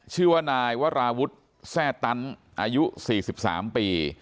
ชื่อว่านายวราวุฒิแทร่ตันอายุสี่สิบสามปี